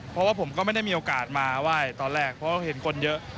เพราะว่าผมก็ไม่ได้มีโอกาสมาไหว้ตอนแรกเพราะเห็นคนเยอะ